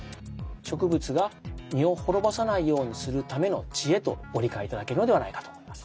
植物が身を滅ぼさないようにするための知恵とご理解いただけるのではないかと思います。